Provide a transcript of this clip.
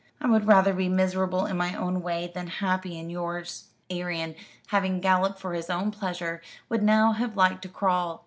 "I would rather be miserable in my own way than happy in yours." Arion, having galloped for his own pleasure, would now have liked to crawl.